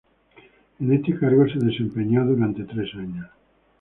En este cargo se desempeñó durante tres años.